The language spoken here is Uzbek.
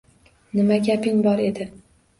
Nima gaping bor edi?